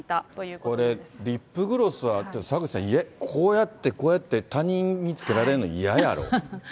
これ、リップグロスは、澤口さん、こうやってこうやって、他人につけられるの嫌やろ？